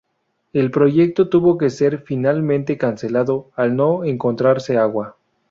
El proyecto tuvo que ser finalmente cancelado al no encontrarse agua.